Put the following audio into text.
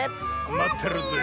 まってるよ！